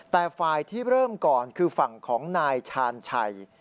แต่ฝ่ายที่เริ่มก่อนคือฝั่งของนายชาญชัย